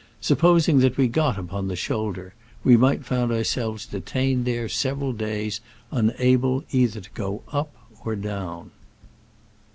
Supposing that we got upon "the shoulder," we might find ourselves detained there sev eral days, unable either to go up or down.